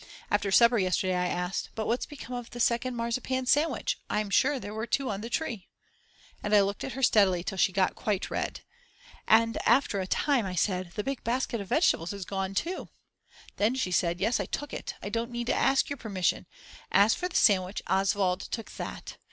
After supper yesterday I asked: But what's become of the second marzipan sandwich, I'm sure there were two on the tree. And I looked at her steadily till she got quite red. And after a time I said: the big basket of vegetables is gone too. Then she said. Yes, I took it, I don't need to ask your permission. As for the sandwich, Oswald took that.